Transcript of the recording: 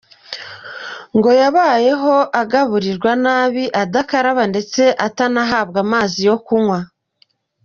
Ngo yabayeho agaburirwa nabi adakaraba ndetse atanahabwa amazi yo kunywa.